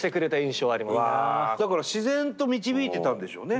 だから自然と導いてたんでしょうね